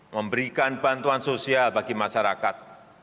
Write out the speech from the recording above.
memberikan bantuan sosial bagi masyarakat